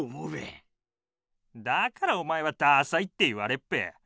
だからおまえはダサいって言われっぺ。